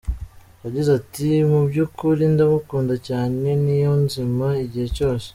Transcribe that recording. Yagize ati “Mu by’ukuri ndamukunda cyane Niyonzima igihe cyose.